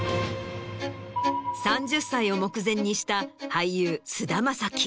３０歳を目前にした俳優菅田将暉。